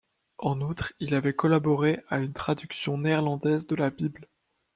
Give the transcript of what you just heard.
En outre, il avait collaboré à une traduction néerlandaise de la Bible.